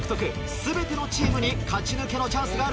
全てのチームに勝ち抜けのチャンスがあるぞ。